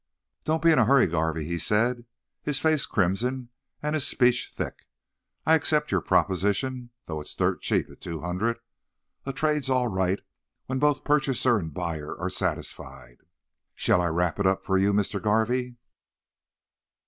"Don't be in a hurry, Garvey," he said, his face crimson and his speech thick. "I accept your p p proposition, though it's dirt cheap at two hundred. A t trade's all right when both p purchaser and b buyer are s satisfied. Shall I w wrap it up for you, Mr. Garvey?"